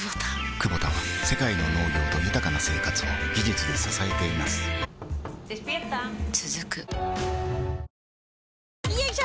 クボタは世界の農業と豊かな生活を技術で支えています起きて。